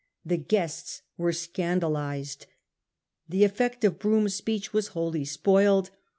The guests were scandalised. The effect of Brougham's speech was wholly spoiled.